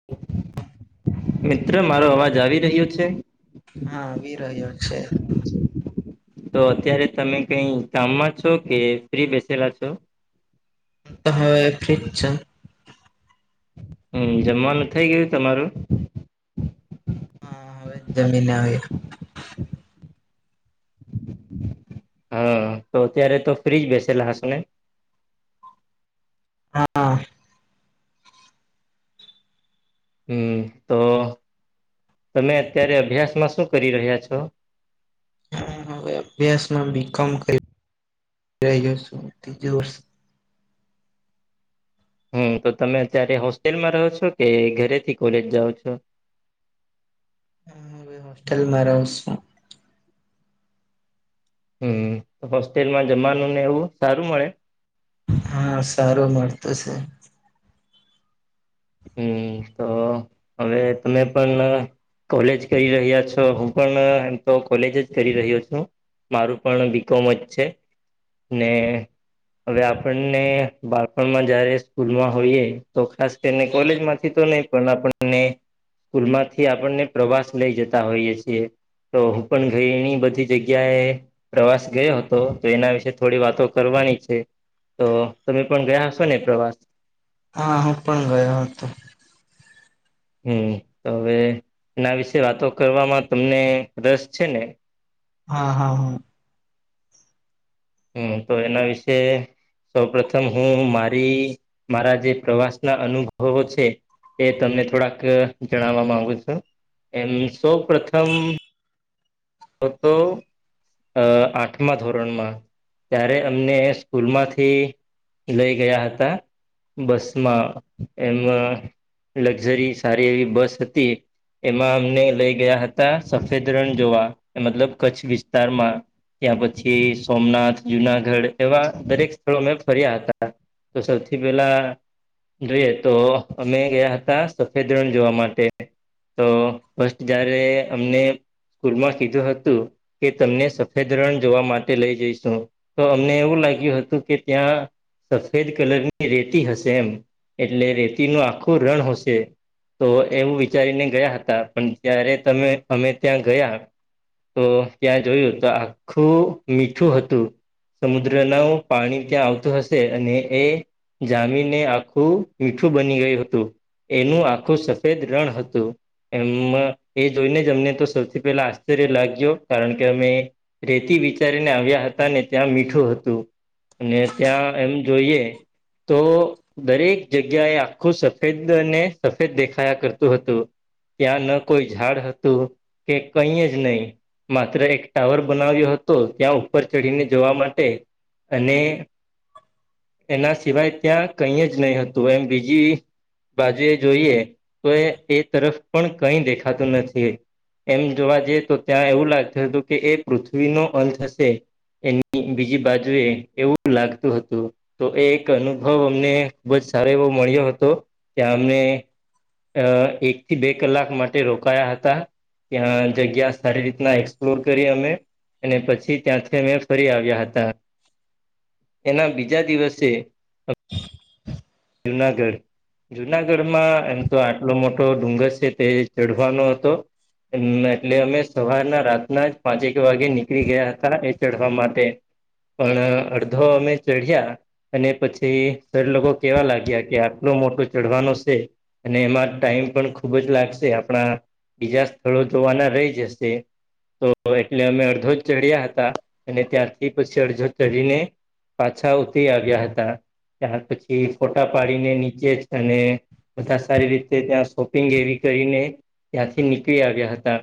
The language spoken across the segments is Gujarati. [inaudible] મિત્ર મારો અવાજ આવી રહ્યો છે? હા આવિ રહ્યો છે. તો અત્યારે તમે કઈ કામમાં છો, કે ફ્રી બેસેલા છો? અ આ ફ્રિ જ છું. હમ જમવાનું થઇ ગયું તમારું? હા હવે જમીન આવીયો. હા તો અત્યારે તો ફ્રીજ બેસે હશો ને? હા હમ તો તમે અત્યારે અભ્યાસમાં શું કરી રહ્યા છો? હવે અભ્યાસમાં બી કોમ કરી રહ્યો છું ત્રીજું વર્ષ. હમ તો તમે અત્યારે હોસ્ટેલમાં રહો છો કે ઘરેથી કોલેજ જાઓ છો. હ હ હોસ્ટેલમાં રહુ છું. હમ હોસ્ટેલમાં જમાનુંને એવું સારું મળે? હા સારું મળતું છે. હમ તો હવે તમે પણ કોલેજ કરી રહ્યા છો હું પણ એમ તો કોલેજ જ કરી રહ્યો છું. મારું પણ બીકોમ જ છે ને હવે આપણને બાળપણમાં જયારે સ્કૂલમાં હોઈએ તો ખાસ ને કોલેજ માંથી તો નહી પણ આપણને સ્કૂલમાંથી આપણને પ્રવાસ લઈ જતા હોઈએ છીએ. તો હું પણ ઘઈણી બધી જગ્યાએ. પ્રવાસ ગયો હતો તો એના વિશે થોડી વાતો કરવાની છે. તો તમે પણ ગયા છો ને પ્રવાસ. હા હું પણ ગયો હતો. હમ તો હવે એના વિશે વાતો કરવામાં તમને રસ છે ને. હા હા હા. હમ તો એના વિશે સૌ પ્રથમ હું મારી મારા જે પ્રવાસ ના અનુભવો છે. એ તમને થોડાક જણાવવા માગુ છું, એમ સૌ પ્રથમ પતો અ આઠમા ધોરણમાં ત્યારે અમને સ્કૂલમાંથી લઈ ગયા હતા બસમાં એમા લક્ઝરી સારી એવી બસ હતી. એમાં અમને લઈ ગયા હતા સફેદ રણ જોવા, મતલબ કચ્છ વિસ્તારમાં ત્યાં પછી સોમનાથ, જુનાગઢ, એવા દરેક સ્થળો મેં ફર્યા હતા. તો સૌથી પેલા જોઈએ તો અમે ગયા હતા, સફેદ રણ જોવા માટે તો ફસ્ટ જયારે અમને સ્કૂલમાં કીધું હતું. કે તમને સફેદ રણ જોવા માટે લઈ જઈશું. તો અમને એવું લાગ્યું હતું કે ત્યાં સફેદ કલરની રેતી હશે એમ એટલે રેતી નુ આખુ રણ હશે. તો એવું વિચારીને ગયા હતા પણ જ્યારે તમે અમે ત્યાં ગયા. તો ત્યાં જોયું તો આખું મીઠું હતું. સમુદ્ર ન પાણી ત્યાં આવતું હશે અને એ જામીનને આખું મીઠું બની ગયું હતું. એનું આખું સફેદ રણ હતું એમ એ જોઈને જ અમને તો સૌથી પહેલા આશ્ચ શ્ચર્ય લાગયો કારણ કે અમે રેતી વિચારીને આવ્યા હતા ને ત્યાં મીઠું હતું અને ત્યાં એમ જોઈએ તો દરેક જગ્યાએ આખું સફેદ અને સફેદ દેખાયા કરતું હતું ત્યાં ન કોઈ ઝાડ હતું કે કઈજ નહી માત્ર એક ટાવર બનાવ્યો હતો ત્યાં ઉપર ચઢીને જવા માટે અને એના સિવાય ત્યાં કઈ જ નહી હતું એમ બીજી બાજે એ જોઈએ તો એ એ તરફ પણ કઈ દેખાતું નથી. એમ જોવા જઈએ તો ત્યાં એવું લાગતું હતું કે એ પૃથ્વીનો અંત હશે. એની બીજી બાજુએ એવું લાગતું હતું તો એક અનુભવ અમને ખૂબ જ સારો એવો મળ્યો હતો ત્યાં અમને અ એક થી બે કલાક માટે રોકાયા હતા ત્યાં જગ્યા સારી રીતના એક્સપ્લોર કરી અમે અને પછી ત્યાંથી અમે ફરી આવ્યા હતા. એના બીજા દિવસે [inaudible] જુનાગઢ જુનાગઢમાં એમ તો આટલો મોટો ડુંગર છે, તે ચઢવાનો હતો એટલે અમે સવારના રાતના જ પાંચેક વાગે નીકળી ગયા હતા એ ચઢવા માટે પણ અડધો અમે ચઢ્યા અને પછી સર લોકો કેવા લાગ્યા કે આટલો મોટો ચઢવાનો છે. અને એમાં ટાઈમ પણ ખુબ જ લાગશે આપણા બીજા સ્થળો જોવાના રહી જશે તો એટલે અમે અડધો જ ચડ્યા હતા અને ત્યારથી પછી અડધો ચઢીને પાછા ઉતરી આવ્યા હતા, ત્યાર પછી ફોટા પાડીને નીચે જ અને બધા સારી રીતે ત્યાં શોપિંગ એવી કરીને ત્યાંથી નીકળી આવ્યા હતા.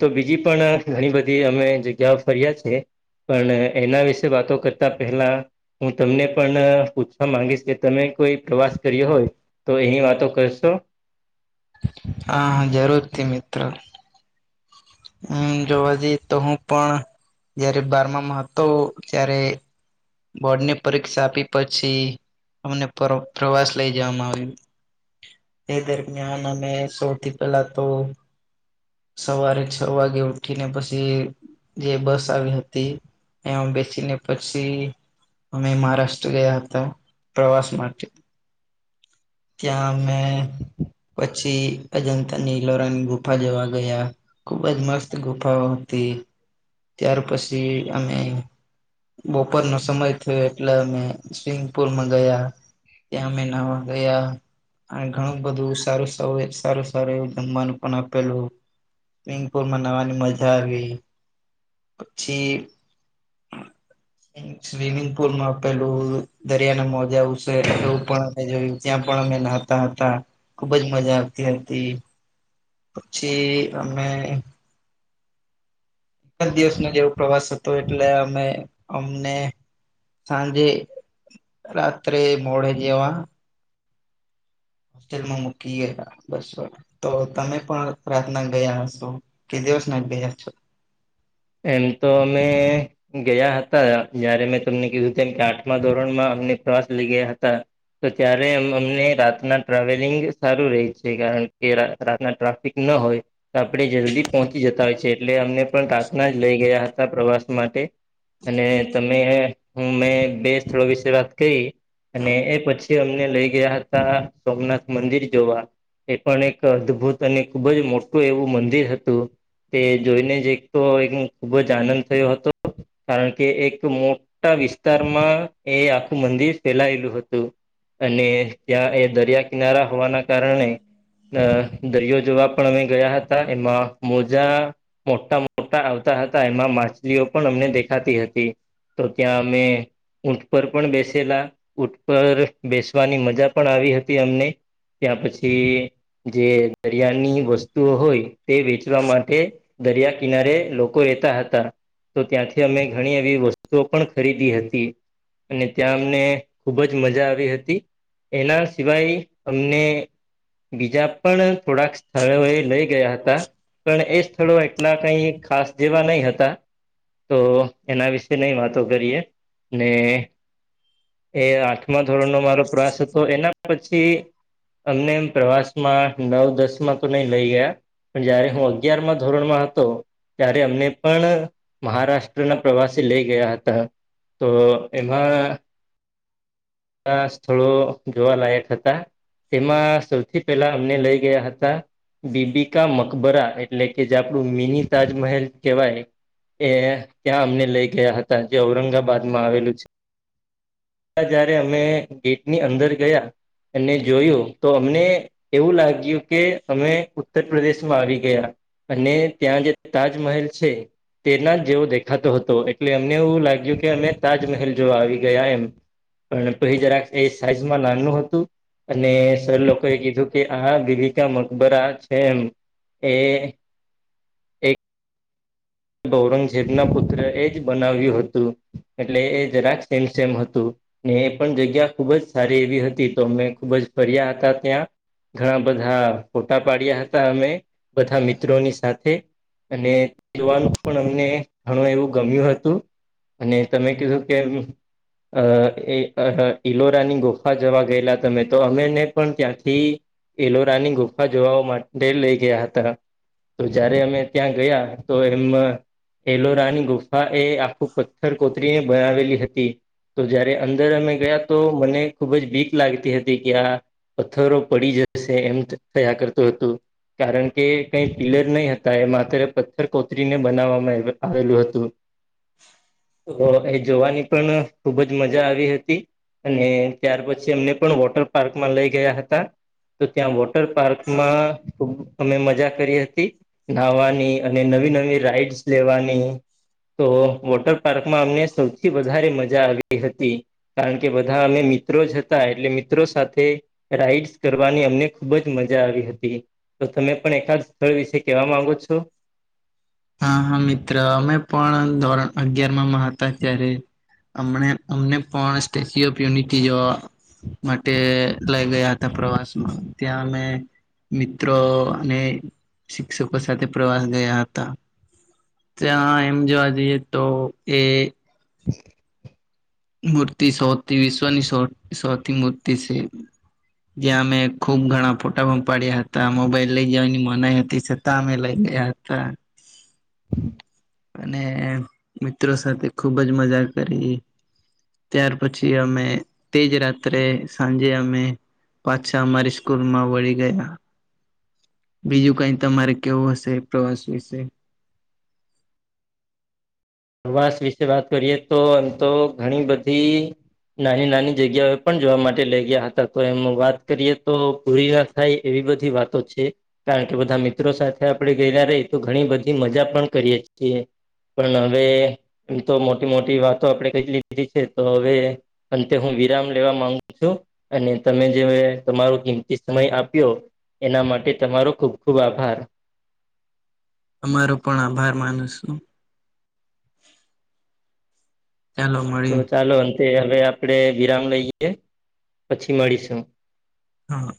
તો બીજી પણ ઘણી બધી અમે જગ્યાઓ ફર્યા છે. પણ એના વિશે વાતો કરતા પહેલા હું તમને પણ પૂછવા માંગીશ કે તમે કોઈ પ્રવાસ કર્યો હોય તો એની વાતો કરશો? હા હા જરૂરથી મિત્ર હમ જો હજી તો હું પણ જયારે બારમામાં હતો ત્યારે બોર્ડની પરીક્ષા આપી પછી અમને પર પ્રવાસ લઈ જવામાં આવ્યું એ દરમિયાન અમે સૌથી પેલા તો સવારે છ વાગે ઉઠીને પછી જે બસ આવી હતી. એમાં બે સી ને પછી અમે મહારાષ્ટ્ર ગયા હતા પ્રવાસ માટે તયા અમે પછી અજંતા નીલોરાની ગુફા જવા ગયા ખુબ જ મસ્ત ગુફાઓ હતી ત્યાર પછી અમે બપોરનો સમય થયો એટલે અમે સ્વિમિંગપુલમાં ગયા ત્યાં અમે નાવા ગયા અને ઘણું બધું સારું સ સારું સારું એવું જમવાનું પણ આપેલું સ્વિમંગપુલમાં નાવાની મજા આવી પછી સ્વિમિંગ પુલમાં આપેલું દરિયાને મોજા ઉછડે એવું પણ અ જોયું ત્યાં પણ અમે ના તા હતા ખુબ જ મજા આવતી હતી પછી અમે એક દિવસનો જેવો પ્રવાસ હતો એટલે અમે અમને સાંજે રાત્રે મોડે જેવા હોસ્ટેલમાં મૂકી ગયેલા બસ વાળા તો તમે પણ રાતના ગયા હશો કે દિવસ ના ગયા છો એમ તો અમે ગયા હતા જયારે મેં તમને કીધું તેમ કે આઠમા ધોરણમાં અમને પ્રવાસ લઇ ગયા હતા. તો ત્યારે અમને રાતના ટ્રાવેલિંગ સારું રે છે, કારણ કે રા રાતના ટ્રાફિક ના હોય તો આપે જલ્દી પહોંચી જતા હોય છે એટલે અમને પણ ના જ લઈ ગયા હતા પ્રવાસ માટે અને તમે હું મેં બે સ્થળો વિશે વાત કરી અને એ પછી અમને લઈ ગયા હતા સોમનાથ મંદિર જોવા એ પણ એક અદભુત અને ખુબ જ મોટું એવું મંદિર હતું તે જોઈને જ તો એક ખુબ જ આનંદ થયો હતો. કારણ કે એક મોટા વિસ્તારમાં એ આખું મંદિર ફેલાયેલું હતું. અને ત્યાં એ દરિયા કિનારા હોવાના કારણે અ દરિયો જોવા પણ અમે ગયા હતા એમાં મોજા મોટા મો મોટા આવતા હતા એમાં માછલીઓ પણ અમને દેખાતી હતી. તો ત્યાં અમે ઊંટ પર પણ બેસેલા ઊંટ પર બેસવાની મજા પણ આવી હતી અમને. ત્યાં પછી જે દરિયાની વસ્તુઓ હોય તે વેચવા માટે દરિયા કિનારે લોકો રહેતા હતા. તો ત્યાંથી અમે ઘણી એવી વસ્તુઓ પણ ખરીદી હતી. અને ત્યાં અમને ખુબ જ મજા આવી હતી. એના સિવાય અમને બીજા પણ થોડાક સ્થળો એ લઈ ગયા હતા પણ એ સ્થળો એટલા કઈ ખાસ જેવા નહી હતા. તો એના વિશે ન વાતો કરીએ ને એ આઠમા ધોરણનો મારો પ્રવાસ હતો એના પછી અમને એમ પ્રવાસ માં નવ દસ માં તો નઈ લઈ ગયા પણ જયારે હું અગિયાર માં ધોરણમાં ત્યારે અમને પણ મહારાષ્ટ્રના પ્રવાસે લઈ ગયા હતા. તો એમાં સ્થળો જોવાલાયક હતા. તેમાં સૌથી પહેલા અમને લઈ ગયા હતા બીબિકા મકબરા એટલે કે જે આપણું મિની તાજમહેલ કહેવાય એ ત્યાં અમને લઈ ગયા હતા જે ઔરંગાબાદ માં આવેલું છે. જયારે અમે ગેટની અંદર ગયા અને જોયું તો અમને એવું લાગ્યું કે અમે ઉત્તર પ્રદેશમાં આવી ગયા. અને ત્યાં જે તાજમહેલ છે. તેના જ જેવો દેખાતો હતો એટલે અમને એવું લાગ્યું કે અમે તાજમહેલ જો આવી ગયા એમ. પરંતુ એ જરાક એ સાઈઝમાં નાનું હતું અને સર લોકોએ કીધું કે આ બીબીકા મકબરા છે એમ એ એક બૌરંગઝેબ ના પુત્ર એ જ બનાવ્યું હતું એટલે એ જરાક સેમસેમ હતું. ને એ પણ જગ્યા ખુબ જ સારી એવી હતી તો અમે ખુબ જ ફર્યા હતા ત્યાં. ઘણા બધા ફોટા પાડ્યા હતા અમે બધા મિત્રોની સાથે અને જોવાનું પણ અમને ઘણું એવું ગમ્યું હતું અને તમે કીધું કે અ ઈલોરાની ગુફા જવા ગયેલા તમે તો અમેને પણ ત્યાંથી એલોરા ની ગુફા જોવા માટે લઈ ગયા હતા તો જયારે અમે ત્યાં ગયા તો એમ એલોરાની ગુફા એ આખું પથ્થર કોતરીને બનાવેલી હતી. તો જયારે અંદર અમે ગયા તો મને ખુબ જ ભીક લાગતી હતી કે આ પથ્થરો પડી જશે એમ થયા કરતું હતું. કારણ કે કઈ પિલર નહી હતા એ માત્ર કોત્રીને બનાવવામાં આવેલું હતું. [inaudible] જો એ જોવાની પણ ખુબ જ મજા આવી હતી. અને ત્યાર પછી એમને પણ વોટર પાર્કમાં લઈ ગયા હતા. તો ત્યાં વોટર પાર્કમાં ખુબ અમે મજા કરી હતી નાવાની. અને નવી નવી રાઈડ્સ લેવાની તો વોટર પાર્કમાં અમને સૌથી વધારે મજા આવી હતી. કારણ કે બધા અમે મિત્રો જ હતા એટલે મિત્રો સાથે રાઈડસ કરવાની અમને ખુબ જ મજા આવી હતી. તો તમે પણ એકાદ સ્થળ વિશે કેવા માંગો છો? હા હા મિત્ર અમે પણ ધોરણ અગિયાર માં માં હતા ત્યારે. એમણે અમને પણ સ્ટેચ્યુ ઓફ યુનિટી જોવા માટે લઈ ગયા હતા પ્રવાસ માં. ત્યાં અમે મિત્રો અને શિક્ષકો સાથે પ્રવાસ ગયા હતા. ત્યાં એમ જોવા જઈએ તો એ [inaudible] મૂર્તિ સૌથી વિશ્વની સ સૌથી મૂર્તિ છે. જ્યાં અમે ખુબ ઘણા ફોટા પ પાાડ્યા હતા મોબાઈલ લઈ જવાની મનાઈ હતી સર તમે લઈ આ હતા. [inaudible] અને મિત્રો સાથે ખુબ જ મજા કરી. ત્યાર પછી અમે તેજ રાત્રે સાંજે અમે પાછા મામારી સ્કૂલ માં વળી ગયા. બીજું કઈ તમારે કેવું હશે પ્રવાસ વિશે? પ્રવાસ વિશે વાત કરીએ તો આમ તો ઘણી બધી નાની નાની જગ્યા એ પણ જોવા માટે લઇ ગયા હતા તો એમ વાત કરીએ તો પૂરી થાય એવી બધી વાતો છે. કારણ કે બધા મિત્રો સાથે આપણે ગયેલા રહીએ તો ઘણી બધી મજા પણ કરીએ છીએ. પણ હવે એમ તો મોટી મોટી વાતો આપણે ક લીધી છે તો હવે અને હું વિરામ લેવા માંગુ છું. અને તમે જે તમારો કિંમતી સમય આપ્યો એના માટે તમારો ખુબ ખુબ આભાર. અમારો પણ આભાર માનું છું. ત [unintelligible] તો ચાલો અંતે હવે આપણેે વિરામ લઈએ, પછી મળીશું. હા.